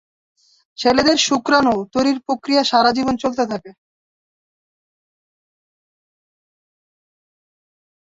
ছেলেদের শুক্রাণু তৈরির প্রক্রিয়া সারাজীবন চলতে থাকে।